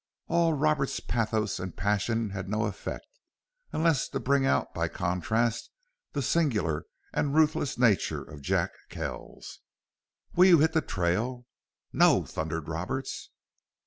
All Roberts' pathos and passion had no effect, unless to bring out by contrast the singular and ruthless nature of Jack Kells. "Will you hit the trail?" "No!" thundered Roberts.